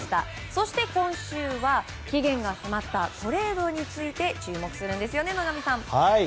そして、今週は期限が迫ったトレードについて注目するんですよね野上さん。